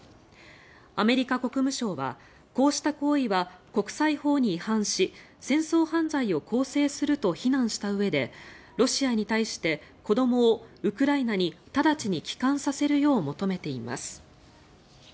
アメリカ国務省はこうした行為は国際法に違反し戦争犯罪を構成すると非難したうえでロシアに対して子どもをウクライナに直ちに帰還させるよう求めています。